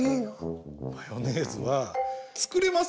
マヨネーズはつくれます！